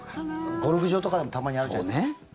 ゴルフ場とかでもたまにあるじゃないですか。